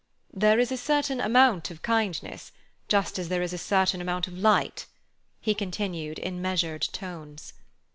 "There is a certain amount of kindness, just as there is a certain amount of light," he continued in measured tones.